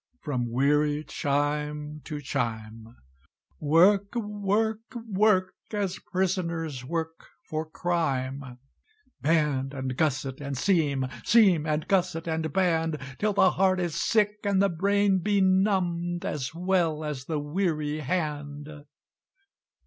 From weary chime to chime, Work work work As prisoners work for crime! Band, and gusset, and seam, Seam, and gusset, and band, Till the heart is sick, and the brain benumb'd, As well as the weary hand.